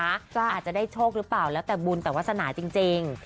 อาจจะได้โชคหรือเปล่าแล้วแต่บุญแต่วาสนาจริง